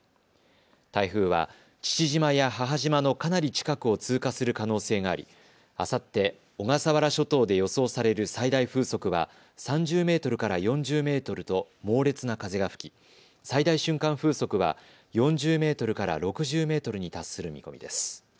台風は父島や母島のかなり近くを通過する可能性がありあさって、小笠原諸島で予想される最大風速は３０メートルから４０メートルと猛烈な風が吹き最大瞬間風速は４０メートルから６０メートルに達する見込みです。